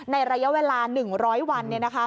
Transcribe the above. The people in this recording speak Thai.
ในระยะเวลา๑๐๐วัน